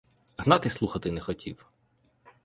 Гнат і слухати не хотів.